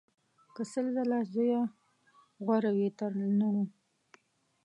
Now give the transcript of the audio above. که سل ځله زویه غوره وي تر لوڼو